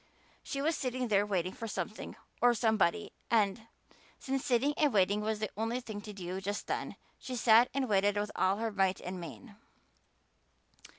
She was sitting there waiting for something or somebody and, since sitting and waiting was the only thing to do just then, she sat and waited with all her might and main.